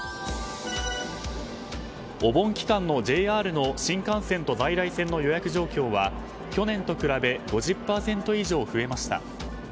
お盆期間のＪＲの新幹線と在来線の予約状況は去年と比べ５０％以上増えました。